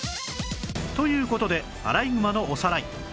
という事でアライグマのおさらい